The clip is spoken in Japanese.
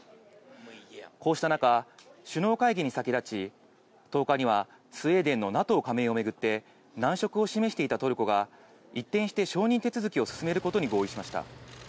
こうした中、首脳会議に先立ち、１０日にはスウェーデンのＮＡＴＯ加盟を巡って、難色を示していたトルコが、一転して承認手続きを進めることに合意しました。